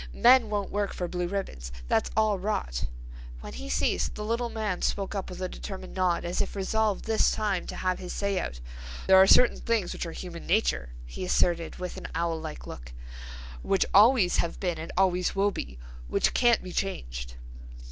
Men won't work for blue ribbons, that's all rot." When he ceased the little man spoke up with a determined nod, as if resolved this time to have his say out. "There are certain things which are human nature," he asserted with an owl like look, "which always have been and always will be, which can't be changed."